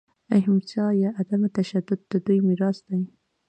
اهیمسا یا عدم تشدد د دوی میراث دی.